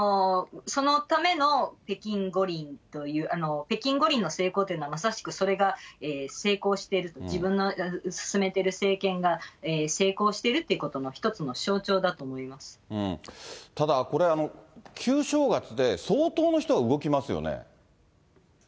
そのための北京五輪という、北京五輪の成功というのは、まさしくそれが成功している、自分の進めている政権が成功してるってことの一つの象徴だと思いただ、これ、旧正月で、相当の人が動きますよね。